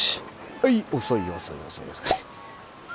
はい遅い遅い遅い遅い。